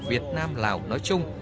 việt nam lào nói chung